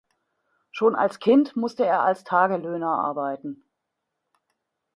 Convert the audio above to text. Schon als Kind musste er als Tagelöhner arbeiten.